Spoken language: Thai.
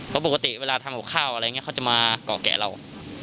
เพราะปกติเวลาทำกับข้าวอะไรอย่างนี้เขาจะมาเกาะแกะเรา